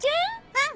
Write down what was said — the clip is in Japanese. うん！